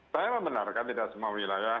saya membenarkan tidak semua wilayah